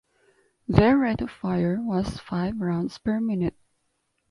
Their rate of fire was five rounds per minute.